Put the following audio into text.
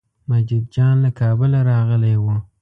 مجید جان له کابله راغلی و.